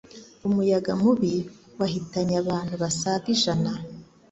Umuyaga mubi wahitanye abantu basaga ijana